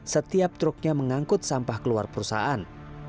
setiap truknya mengangkut sampah keluar perusahaan